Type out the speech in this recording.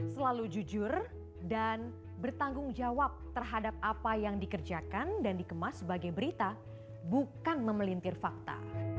selalu jujur dan bertanggung jawab terhadap apa yang dikerjakan dan dikemas sebagai berita bukan memelintir fakta